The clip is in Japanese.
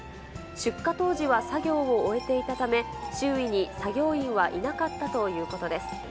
出火当時は作業を終えていたため、周囲に作業員はいなかったということです。